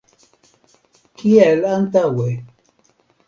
Kiel antaŭe.